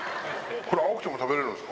これ青くても食べれるんですか。